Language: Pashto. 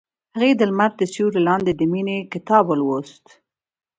هغې د لمر تر سیوري لاندې د مینې کتاب ولوست.